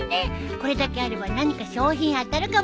これだけあれば何か商品当たるかも。